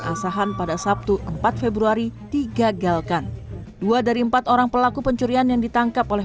asahan pada sabtu empat februari digagalkan dua dari empat orang pelaku pencurian yang ditangkap oleh